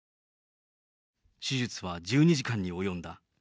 手術は１２時間に及んだ。